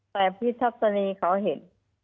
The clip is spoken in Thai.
แต่พี่ทัศนีเขาเห็น